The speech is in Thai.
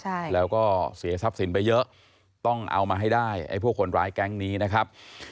ใช่แล้วก็เสียทรัพย์สินไปเยอะต้องเอามาให้ได้ไอ้พวกคนร้ายแก๊งนี้นะครับ